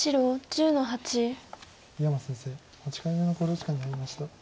井山先生８回目の考慮時間に入りました。